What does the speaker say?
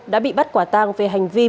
đã bị bắt quả tang về hành vi